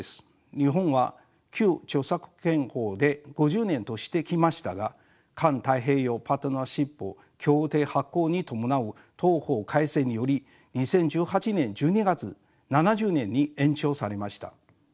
日本は旧著作権法で５０年としてきましたが環太平洋パートナーシップ協定発効に伴う同法改正により２０１８年１２月７０年に延長されました。